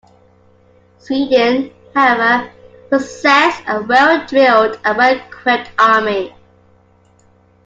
Sweden, however, possessed a well-drilled and well-equipped army.